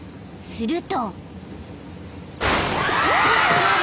［すると］